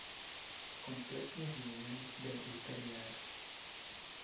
Kompletně změněn byl interiér.